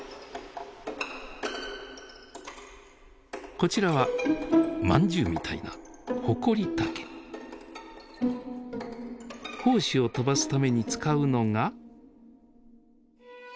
こちらはまんじゅうみたいな胞子を飛ばすために使うのが。